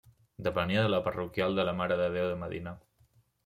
Depenia de la parroquial de la Mare de Déu de Medina.